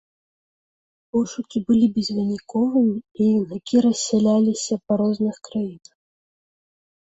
Пошукі былі безвыніковымі, і юнакі рассяліліся па розных краінах.